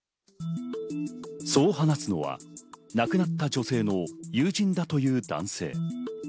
そう話すのは、亡くなった女性の友人だという男性。